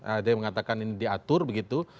ada yang mengatakan ini diatur begitu